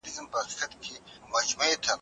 خلګ ولي خپل کورني رازونه پټ ساتي؟